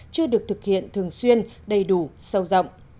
chưa được thực hiện thường xuyên đầy đủ sâu rộng